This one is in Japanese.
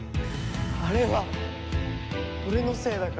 あれは俺のせいだから。